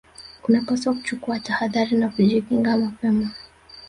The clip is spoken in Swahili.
unapaswa kuchukua tahadhari na kujikinga mapema